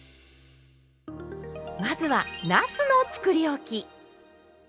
まずはなすのつくりおき。